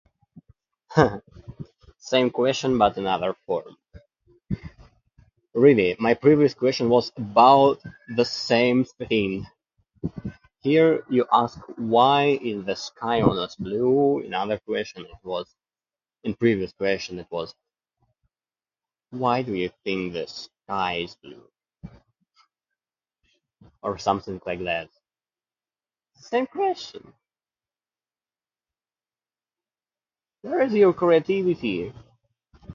"Haha, same question but in other form. Really, my previous question was about the same thing. Here you ask, ""Why is the sky always blue?"" In other question it was, in previous question it was, ""Why do you think the sky's blue?"" Or something like that. Same question! Where is your creativity?"